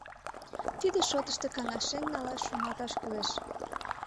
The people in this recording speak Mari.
— Тиде шотышто каҥашен налаш, шоналташ кӱлеш...